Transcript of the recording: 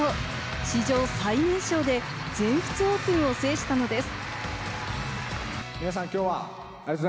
史上最年少で全仏オープンを制したのです。